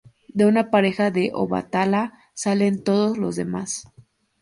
De una pareja de Obatalá salen todos los demás.